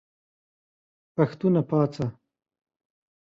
پښتونه پاڅه !